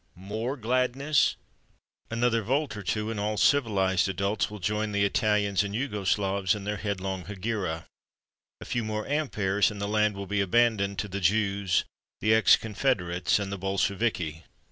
More Gladness? Another volt or two, and all civilized adults will join the Italians and Jugo Slavs in their headlong hegira. A few more amperes, and the land will be abandoned to the Jews, the ex Confederates and the Bolsheviki.